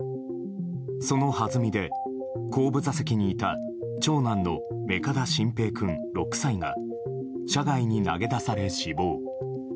そのはずみで後部座席にいた長男の目加田慎平君、６歳が車外に投げ出され死亡。